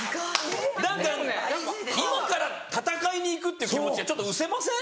・意外・今から戦いに行くっていう気持ちがちょっとうせません？